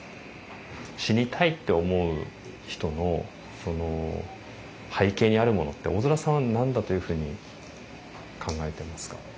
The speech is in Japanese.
死にたいって思う人の背景にあるものって大空さんは何だというふうに考えてますか？